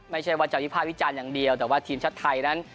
ไม่ใช่ว่าจะวิภาควิจารณ์อย่างเดียวแต่ว่าทีมชาติไทยนั้น